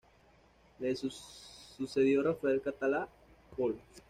Le sucedió Rafael Catalá Polo.